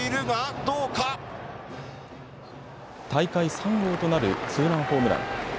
大会３号となるツーランホームラン。